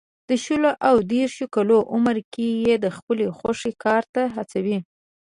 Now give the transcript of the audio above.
د شلو او دېرشو کالو عمر کې یې د خپلې خوښې کار ته هڅوي.